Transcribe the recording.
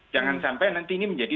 jangan sampai nanti ini menjadi